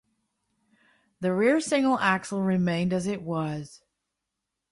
The rear single axle remained as it was.